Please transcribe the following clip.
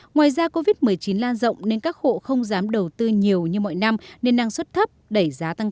ngoài ra covid một mươi chín lan rộng nên các hộ không dám đầu tư nhiều như mọi năm nên năng suất thấp đẩy giá tăng cao